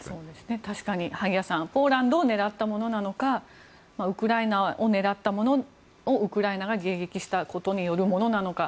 確かに、萩谷さんポーランドを狙ったものなのかウクライナを狙ったものをウクライナが迎撃したことによるものなのか。